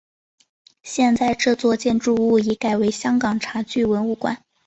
现在这座建筑物已改为香港茶具文物馆。